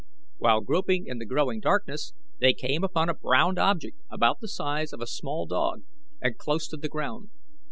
While groping in the growing darkness, they came upon a brown object about the size of a small dog and close to the ground.